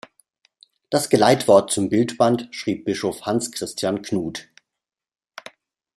Das Geleitwort zum Bildband schrieb Bischof Hans Christian Knuth.